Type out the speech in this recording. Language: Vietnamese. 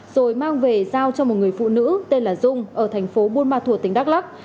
rồi mang về giao cho một người phụ nữ tên là dung ở thành phố buôn ma thuột tỉnh đắk lắc